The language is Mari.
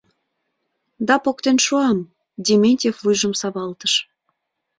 — Да, поктен шуам, — Дементьев вуйжым савалтыш.